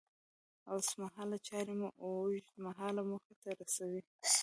اوسمهال چارې مو اوږد مهاله موخې ته رسوي.